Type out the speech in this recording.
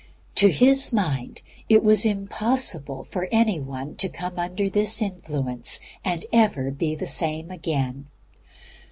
To his mind it was impossible for any one to come under this influence and ever be the same again.